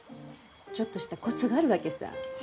ちょっとしたコツがあるわけさぁ。